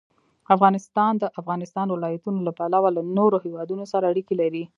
افغانستان د د افغانستان ولايتونه له پلوه له نورو هېوادونو سره اړیکې لري.